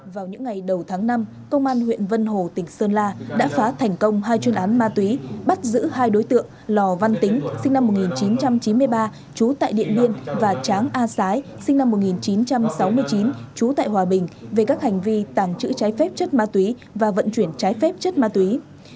vào những ngày đầu tháng năm công an huyện vân hồ tỉnh sơn la đã phá thành công hai chuyên án ma túy bắt giữ hai đối tượng lò văn tính sinh năm một nghìn chín trăm chín mươi ba trú tại điện biên và tráng a sái sinh năm một nghìn chín trăm sáu mươi chín trú tại hòa bình về các hành vi tàng trữ trái phép chất ma túy và vận chuyển trái phép chất ma túy